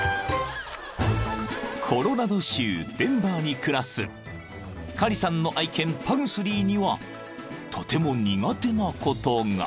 ［コロラド州デンバーに暮らすカリさんの愛犬パグスリーにはとても苦手なことが］